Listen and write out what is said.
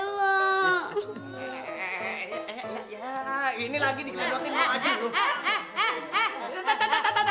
ini lagi dikelewatin lo aja